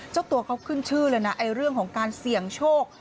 เจ้าตัวเขาขึ้นชื่อเลยนะเรื่องของการเสี่ยงโชค